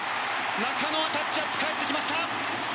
中野、タッチアップでかえってきました。